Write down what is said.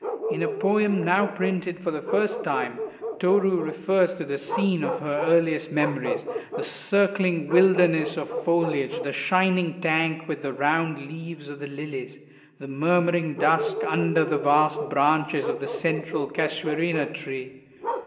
In a poem now printed for the first time, Toru refers to the scene of her earliest memories, the circling wilderness of foliage, the shining tank with the round leaves of the lilies, the murmuring dusk under the vast branches of the central casuarina tree.